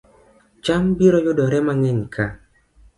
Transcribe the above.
Cham biro yudore mang'eny ka